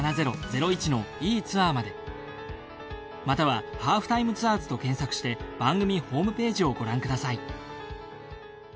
または『ハーフタイムツアーズ』と検索して番組ホームページをご覧ください。